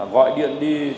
gọi điện đi